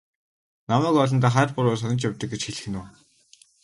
Намайг олондоо хар буруу санаж явдаг гэж хэлэх нь үү?